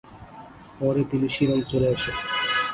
পরে তিনি শিলং চলে আসেন।